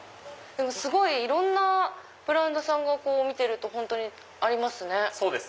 すごいいろんなブランドさんが見てると本当にありますね。